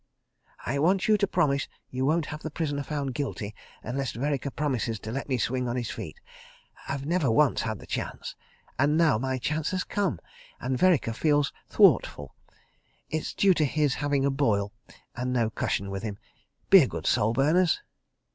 "I want you to promise you won't have the prisoner found Guilty unless Vereker promises to let me swing on his feet. ... I've never once had the chance. ... And now my chance has come. ... And Vereker feels thwartful. ... It's due to his having a boil—and no cushion with him. ... Be a good soul, Berners.